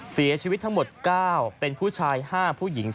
เสียชีวิตทั้งหมด๙เป็นผู้ชาย๕ผู้หญิง